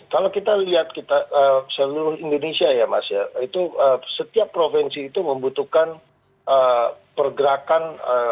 kalau kita lihat seluruh indonesia ya mas ya itu setiap provinsi itu membutuhkan pergerakan